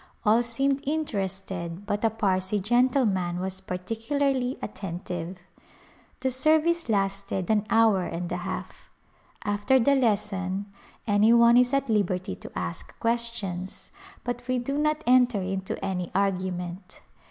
All seemed inter ested but a Parsee gentleman was particularly atten tive. The service lasted an hour and a half. After the lesson any one is at liberty to ask questions but we do not enter into any argument.